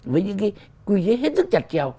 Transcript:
với những cái quy chế hết sức chặt trèo